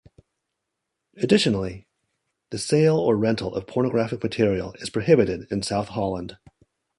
Additionally, the sale or rental of pornographic material is prohibited in South Holland.